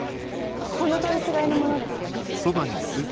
ほんの通りすがりの者ですよ。